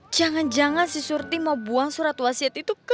jangan jangan si surti mau buang surat wasiat itu ke